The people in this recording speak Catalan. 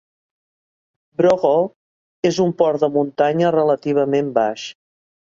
Broghol és un port de muntanya relativament baix.